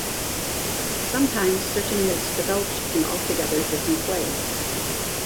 Sometimes certain myths developed in altogether different ways.